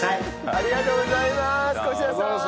ありがとうございます！